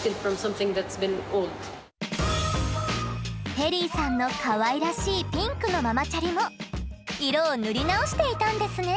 ペリーさんのかわいらしいピンクのママチャリも色を塗り直していたんですね。